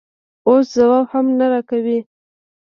اوس ځواب هم نه راکوې؟